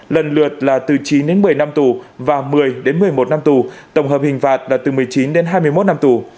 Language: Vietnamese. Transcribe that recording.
lần lượt là từ chín đến một mươi năm tù và một mươi đến một mươi một năm tù tổng hợp hình phạt là từ một mươi chín đến hai mươi một năm tù